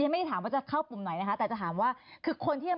คือไม่ถามว่าจะเข้าข้างในอื่นไหนนะหิน